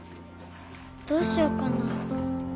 どうしようかな。